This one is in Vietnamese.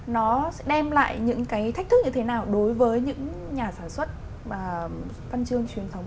nó sẽ đem lại những cái thách thức như thế nào đối với những nhà sản xuất văn chương truyền thống